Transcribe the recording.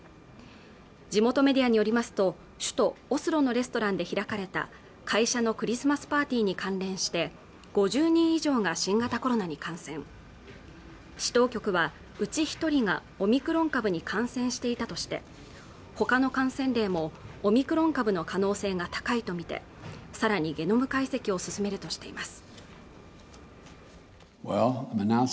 地元メディアによりますと首都オスロのレストランで開かれた会社のクリスマスパーティーに関連して５０人以上が新型コロナに感染市当局はうち一人がオミクロン株に感染していたとしてほかの感染例もオミクロン株の可能性が高いと見てさらにゲノム解析を進めるとしています